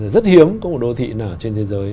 rất hiếm có một đô thị nào trên thế giới